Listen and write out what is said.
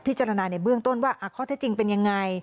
จารณในเบื้องต้นว่าข้อเท็จจริงเป็นยังไง